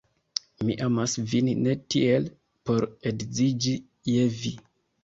Mi amas vin ne tiel, por edziĝi je vi.